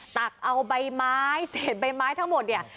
ตักเอาใบไม้เศษใบไม้ทั้งหมดเนี่ย